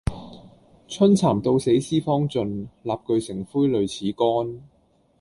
春蠶到死絲方盡，蠟炬成灰淚始干。